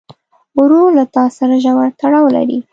ورور له تا سره ژور تړاو لري.